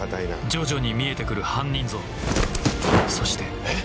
徐々に見えて来る犯人像そしてえっ？